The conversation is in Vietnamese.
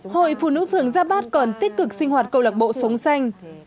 hội phụ nữ phường gia bát còn tích cực sinh hoạt câu lạc bộ sống xanh